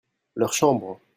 leurs chambres.